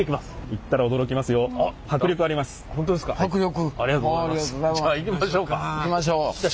行きましょう。